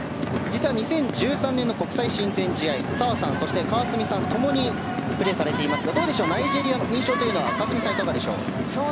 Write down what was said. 実は２０１３年の国際親善試合澤さん、そして川澄さん共にプレーされていますがナイジェリアの印象は川澄さん、いかがでしょう？